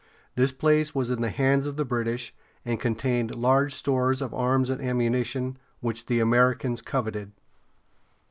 This place was in the hands of the British, and contained large stores of arms and ammunition, which the Americans coveted.